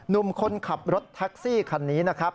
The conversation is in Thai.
หนุ่มคนขับรถแท็กซี่คันนี้นะครับ